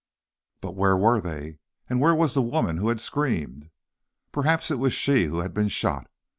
But where were they? And where was the woman who had screamed? Perhaps it was she who had been shot.